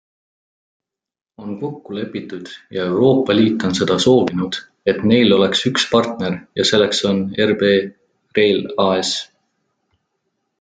On kokku lepitud ja Euroopa Liit on seda soovinud, et neil oleks üks partner ja selleks on RB Rail AS.